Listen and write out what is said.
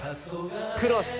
クロス！